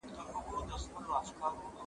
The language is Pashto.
زه کولای سم لاس پرېولم؟!